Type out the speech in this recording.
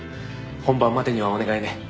本番までにはお願いね。